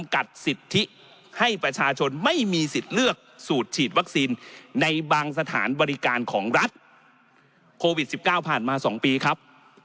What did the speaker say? โควิด๑๙ผ่านมา๒ปีครับ